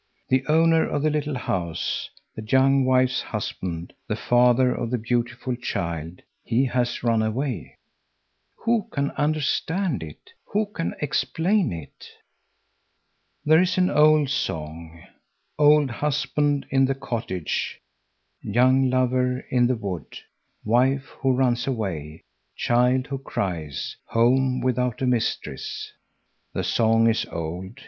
The owner of the little house, the young wife's husband, the father of the beautiful child, he has run away. Who can understand it? who can explain it?" There is an old song: "Old husband in the cottage; young lover in the wood; wife, who runs away, child who cries; home without a mistress." The song is old.